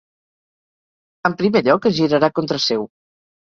En primer lloc, es girarà contra seu.